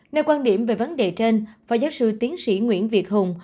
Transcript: nơi quan điểm về vấn đề trên phó giáo sư tiến sĩ nguyễn việt hùng